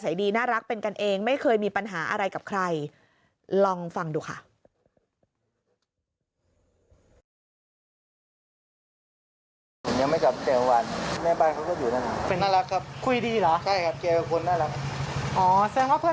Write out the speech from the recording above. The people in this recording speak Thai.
แสดงว่าเพื่อนบ้านมันก็อัธยาศัยกันดี